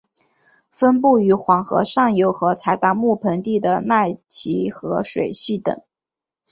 分布于黄河上游和柴达木盆地的奈齐河水系等。